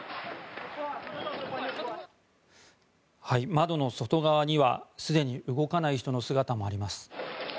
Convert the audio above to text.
窓の外側には、すでに動かない人の姿もあります。